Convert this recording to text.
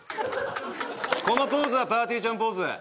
このポーズはぱーてぃーちゃんポーズ